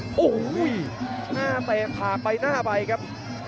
โอ้โหหน้าไปผ่าไปหน้าไปครับ